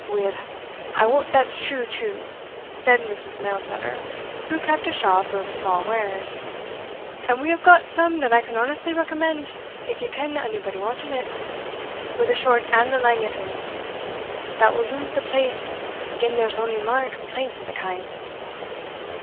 "Weel I wot that's true, too," said Mrs. Mailsetter, who kept a shop of small wares, "and we have got some that I can honestly recommend, if ye ken onybody wanting it. But the short and the lang o't is, that we'll lose the place gin there's ony mair complaints o' the kind."